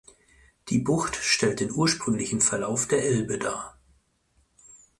Die Bucht stellt den ursprünglichen Verlauf der Elbe dar.